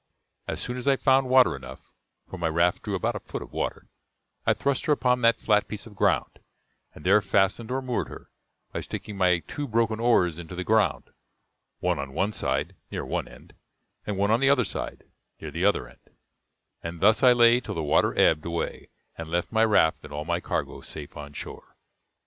As soon as I found water enough for my raft drew about a foot of water I thrust her upon that flat piece of ground, and there fastened or moored her, by sticking my two broken oars into the ground, one on one side, near one end, and one on the other side near the other end; and thus I lay till the water ebbed away and left my raft and all my cargo safe on shore.